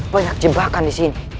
banyak jebakan disini